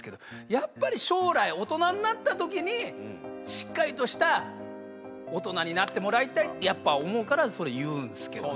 やっぱり将来大人になった時にしっかりとした大人になってもらいたいとやっぱ思うからそれ言うんですけどね